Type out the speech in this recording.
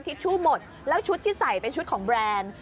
ทิชชู่หมดแล้วชุดที่ใส่เป็นชุดของแบรนด์